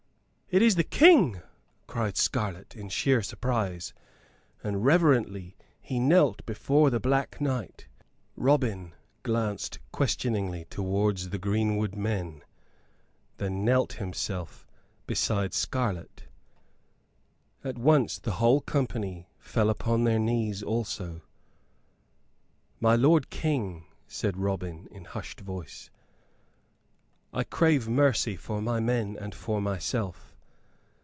"It is the King!" cried Scarlett, in sheer surprise; and reverently he knelt before the Black Knight. Robin glanced questioningly towards the greenwood men; then knelt himself beside Scarlett. At once the whole company fell upon their knees also. "My lord King," said Robin, in hushed voice, "I crave mercy for my men and for myself.